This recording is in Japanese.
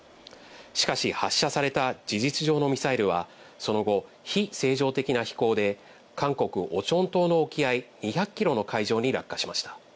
しかし発射された事実上のミサイルはその後、非正常的な飛行で、韓国・オチョン島の沖合２００キロの海上に落下しました。